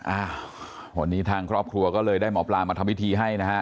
อ่าวันนี้ทางครอบครัวก็เลยได้หมอปลามาทำพิธีให้นะฮะ